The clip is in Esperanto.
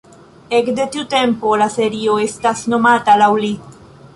Ekde tiu tempo la serio estas nomata laŭ ili.